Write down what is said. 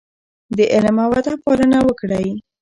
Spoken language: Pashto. د علم او ادب پالنه وکړئ.